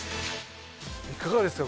いかがですか？